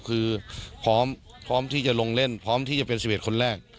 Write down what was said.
คือพร้อมที่จะลงเล่นพร้อมที่จะเป็น๑๑คนแรก